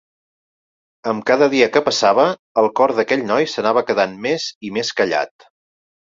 Amb cada dia que passava, el cor d'aquell noi s'anava quedant més i més callat.